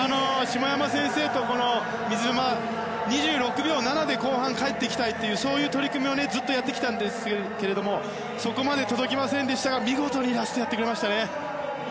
下山先生と水沼は、２６秒７で後半、帰ってきたいというそういう取り組みをずっとやってきたんですけれどもそこまで届きませんでしたが見事にラストやってくれましたね。